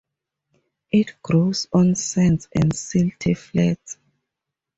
It grows on sands and silty flats.